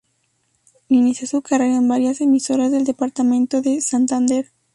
Inició su carrera en varias emisoras del departamento de Santander.